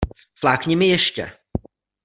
Flákni mi ještě!